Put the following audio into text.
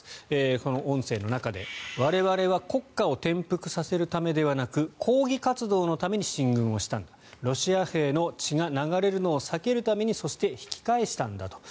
この音声の中で我々は国家を転覆させるためではなく抗議活動のために進軍をしたんだロシア兵の血が流れるのを避けるためにそして、引き返したんだと。